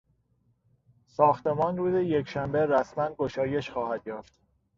ساختمان روز یکشنبه رسما گشایش خواهد یافت.